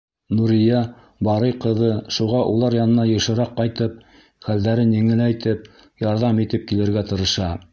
Нурия Барый ҡыҙы шуға улар янына йышыраҡ ҡайтып, хәлдәрен еңеләйтеп, ярҙам итеп килергә тырыша.